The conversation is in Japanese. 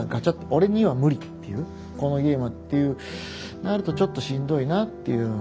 「俺には無理」っていう「このゲームは」っていうなるとちょっとしんどいなっていう。